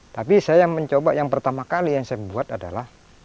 tapi saya mencoba yang pertama kali yang saya buat adalah